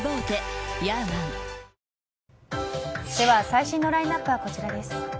最新のラインアップはこちらです。